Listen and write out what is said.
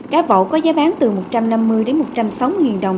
cá vậu có giá bán từ một trăm năm mươi một trăm sáu mươi đồng